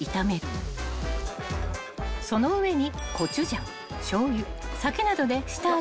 ［その上に］